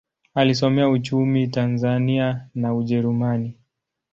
Alisomea uchumi Tanzania na Ujerumani.